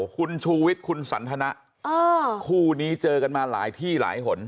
คุณชูวิทย์คุณสันทนะคู่นี้เจอกันมาหลายที่หลายหน